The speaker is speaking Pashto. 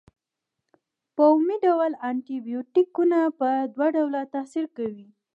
په عمومي ډول انټي بیوټیکونه په دوه ډوله تاثیر کوي.